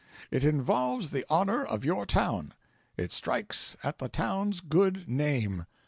It involves the honour of your town it strikes at the town's good name.